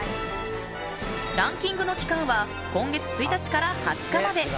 ランキングの期間は今月１日から２０日まで。